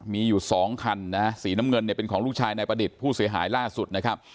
มีอยู่สองคันนะฮะสีน้ำเงินเนี่ยเป็นของลูกชายนายประดิษฐ์ผู้เสียหายล่าสุดนะครับ